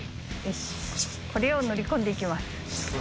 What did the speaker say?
これを塗り込んでいきます。